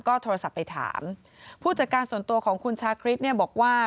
ก็โทรศัพท์ไปถามผู้จัดการส่วนตัวของคุณชาคริสเนี่ยบอกว่า